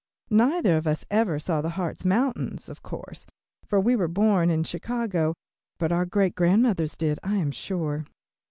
Neither of us ever saw the Hartz Mountains, of course, for we were born in Chicago, but our great grandmothers did, I am sure.